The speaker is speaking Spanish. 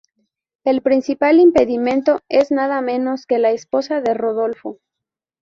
El principal impedimento es nada menos que la esposa de Rodolfo.